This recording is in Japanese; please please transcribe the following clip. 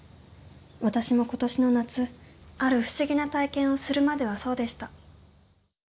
私も今年の夏ある不思議な体験をするまではそうでした。